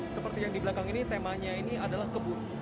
seperti yang di belakang ini temanya ini adalah kebun